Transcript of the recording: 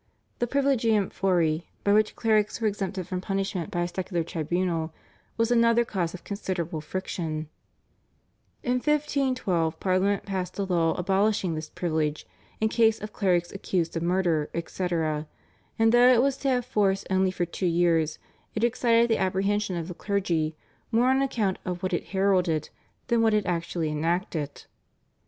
The /privilegium fori/, by which clerics were exempted from punishment by a secular tribunal, was another cause of considerable friction. In 1512 Parliament passed a law abolishing this privilege in case of clerics accused of murder, etc., and though it was to have force only for two years it excited the apprehension of the clergy more on account of what it heralded than of what it actually enacted.